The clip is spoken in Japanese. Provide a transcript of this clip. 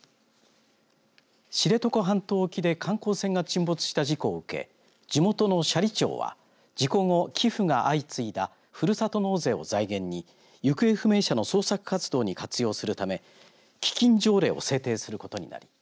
知床半島沖で観光船が沈没した事故を受け地元の斜里町は事故後、寄付が相次いだふるさと納税を財源に行方不明者の捜索活動に活用するため基金条例を制定することになり